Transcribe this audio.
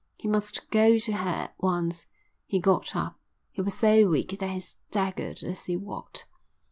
He must go to her at once. He got up. He was so weak that he staggered as he walked.